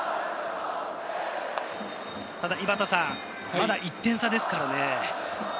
まだ１点差ですからね。